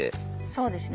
そうですね。